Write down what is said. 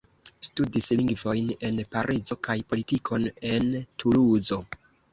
Studis lingvojn en Parizo kaj politikon en Tuluzo.